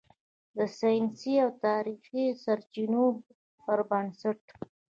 د "ساینسي او تاریخي سرچینو" پر بنسټ